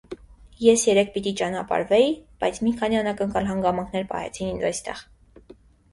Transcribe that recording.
Ես երեկ պիտի ճանապարհվեի, բայց մի քանի անակնկալ հանգամանքներ պահեցին ինձ այստեղ: